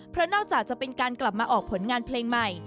เพราะนอกจากจะเป็นการกลับมาออกผลงานเพลงใหม่